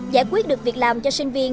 giải quyết được việc làm cho sinh viên